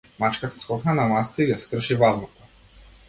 Мачката скокна на масата и ја скрши вазната.